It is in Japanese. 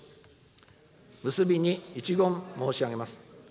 結びに一言申し上げます。